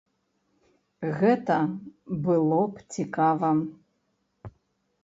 Гэта было б цікава.